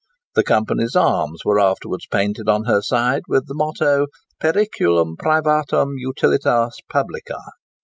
The Company's arms were afterwards painted on her side, with the motto "Periculum privatum utilitas publica."